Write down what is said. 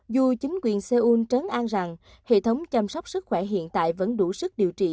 dù chính quyền seoul trắng an rằng hệ thống chăm sóc sức khỏe hiện tại vẫn đủ sức điều trị